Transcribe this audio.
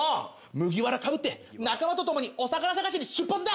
麦わら被って仲間と共にお宝探しに出発だ！